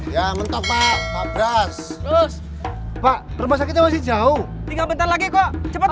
yang menutup pak abbas pak rumah sakitnya masih jauh tinggal bentar lagi kok cepet